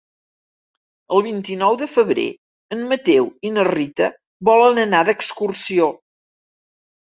El vint-i-nou de febrer en Mateu i na Rita volen anar d'excursió.